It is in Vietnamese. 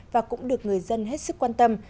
và cũng được người dân hết sức quan tâm